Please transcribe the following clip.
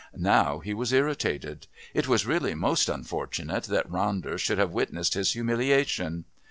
Now he was irritated. It was really most unfortunate that Ronder should have witnessed his humiliation.